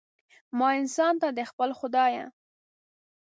ما انسان ته، د خپل خدایه